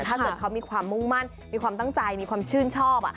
ถ้าเกิดเขามีความมุ่งมั่นมีความตั้งใจมีความชื่นชอบ